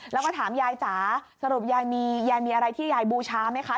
แล้วก็ถามยายจ๋าสรุปยายมียายมีอะไรที่ยายบูชาไหมคะ